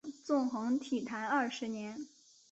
纵横体坛二十年。